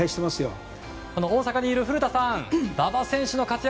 大阪にいる古田さん馬場選手の活躍